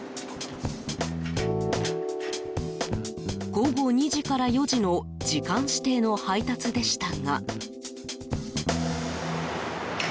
午後２時から４時の時間指定の配達でしたが。